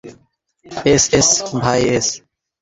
S, এস, ভাই S.